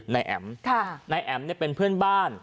นายแอ๋มค่ะนายแอ๋มเนี้ยเป็นเพื่อนบ้าน